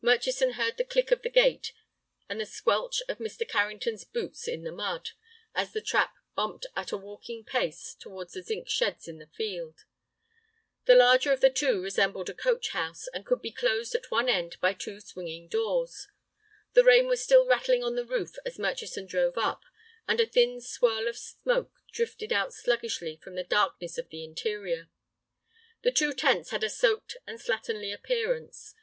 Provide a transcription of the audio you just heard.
Murchison heard the click of the gate, and the squelch of Mr. Carrington's boots in the mud, as the trap bumped at a walking pace towards the zinc sheds in the field. The larger of the two resembled a coach house, and could be closed at one end by two swinging doors. The rain was still rattling on the roof as Murchison drove up, and a thin swirl of smoke drifted out sluggishly from the darkness of the interior. The two tents had a soaked and slatternly appearance.